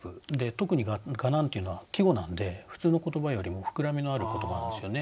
特に「蛾」なんていうのは季語なんで普通の言葉よりも膨らみのある言葉なんですよね。